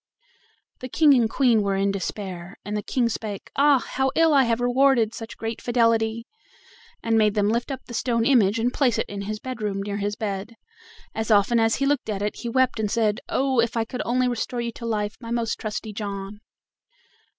The King and Queen were in despair, and the King spake: "Ah! how ill have I rewarded such great fidelity!" and made them lift up the stone image and place it in his bedroom near his bed. As often as he looked at it he wept and said: "Oh! if I could only restore you to life, my most trusty John!"